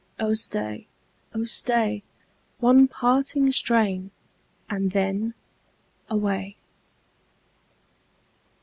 Oh staj, oh stay, One parting strain, and then away.